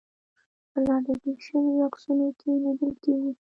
په رالېږل شویو عکسونو کې لیدل کېږي.